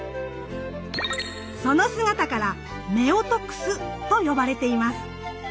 その姿から「夫婦楠」と呼ばれています。